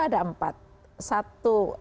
ada empat satu